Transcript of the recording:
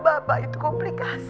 bapak itu komplikasi